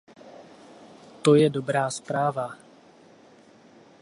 To je dobrá zpráva!